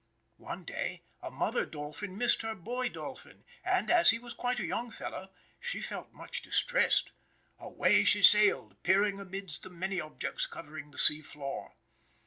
One day a mother Dolphin missed her boy Dolphin, and as he was quite a young fellow, she felt much distressed. Away she sailed, peering amidst the many objects covering the sea floor.